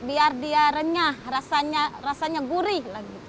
biar dia renyah rasanya gurih